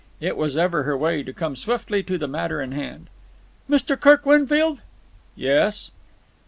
It was ever her way to come swiftly to the matter in hand. "Mr. Kirk Winfield?" "Yes."